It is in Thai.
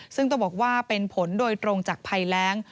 ซึ่งต้องบอกว่าเป็นผลโดยตรงจากภัยแรง